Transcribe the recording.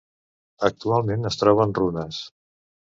Actualment es troba en runes.